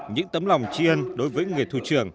những tấm lòng tri ân đối với người thủ trưởng